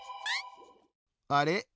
あれ？